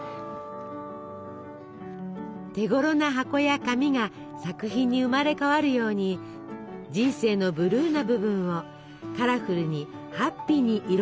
手ごろな箱や紙が作品に生まれ変わるように人生のブルーな部分をカラフルにハッピーに彩る方法はいくらでもある。